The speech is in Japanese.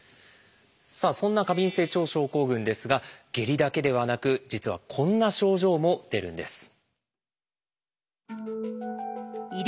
さあそんな過敏性腸症候群ですが下痢だけではなく実はこんな症状も出るんです。